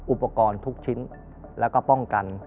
อุปกรณ์ทุกชิ้นแล้วก็ป้องกัน